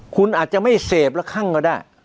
คุณอาจจะไม่เสพละคั่งก็ได้